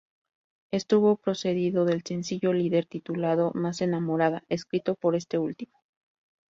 Estuvo precedido del sencillo líder titulado "Más Enamorada", escrito por este último.